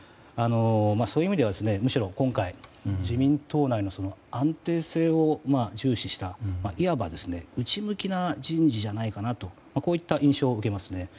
そういう意味では、むしろ今回自民党内の安定性を重視したいわば内向きな人事じゃないかなといった印象を受けますね。